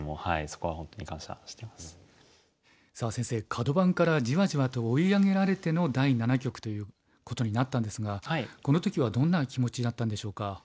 カド番からじわじわと追い上げられての第七局ということになったんですがこの時はどんな気持ちだったんでしょうか？